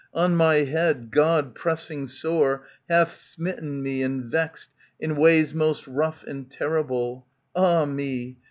On my head, God, pressing sore, hath smitten me and vexed. In ways most rough and terrible, (Ah me